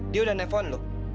dia udah nepon lu